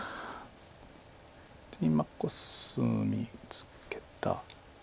今コスミツケた。